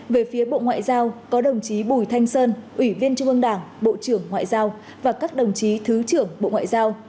về phía bộ ngoại giao có đồng chí bùi thanh sơn ủy viên trung ương đảng bộ trưởng ngoại giao và các đồng chí thứ trưởng bộ ngoại giao